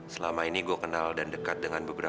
selama ini gue kenal dan dekat dengan beberapa